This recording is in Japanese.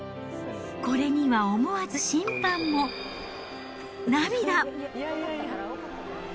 これには思わず審判も涙。